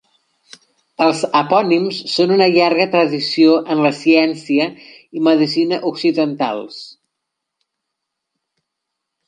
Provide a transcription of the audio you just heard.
Els epònims són una llarga tradició en la ciència i medicina occidentals.